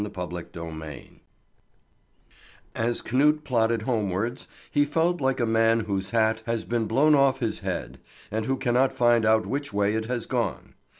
CHAPTER III AS Knut plodded homewards, he felt like a man whose hat has been blown off his head, and who cannot find out which way it has gone.